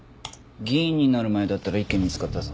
議員になる前だったら１件見つかったぞ。